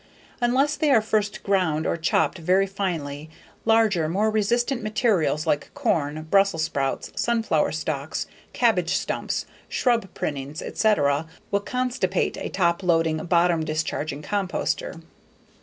Unless they are first ground or chopped very finely, larger more resistant materials like corn, Brussels sprouts, sunflower stalks, cabbage stumps, shrub prunings, etc. will "constipate" a top loading, bottom discharging composter.